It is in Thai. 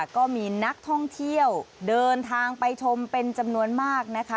ก็มีนักท่องเที่ยวเดินทางไปชมเป็นจำนวนมากนะคะ